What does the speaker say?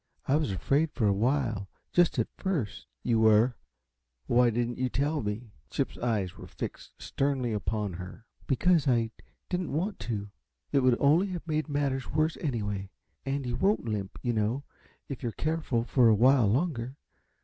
I was afraid for a while, just at first " "You were? Why didn't you tell me?" Chip's eyes were fixed sternly upon her. "Because I didn't want to. It would only have made matters worse, anyway. And you won't limp, you know, if you're careful for a while longer.